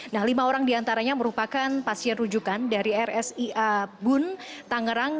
nah lima orang diantaranya merupakan pasien rujukan dari rsia bun tangerang